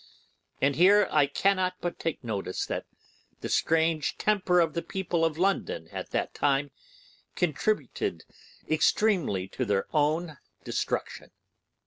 And here I cannot but take notice that the strange temper of the people of London at that time contributed extremely to their own destruction.